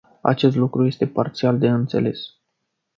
Acest lucru este parțial de înțeles.